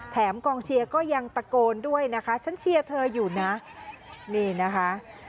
กองเชียร์ก็ยังตะโกนด้วยนะคะฉันเชียร์เธออยู่นะนี่นะคะ